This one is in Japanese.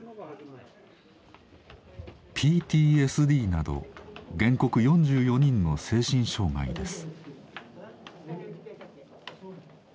ＰＴＳＤなど原告４４人の精神障害です。